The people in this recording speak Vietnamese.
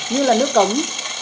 như là nước cống